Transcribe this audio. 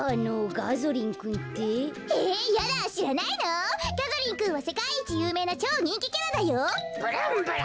ガゾリンくんはせかいいちゆうめいなちょうにんきキャラだよ。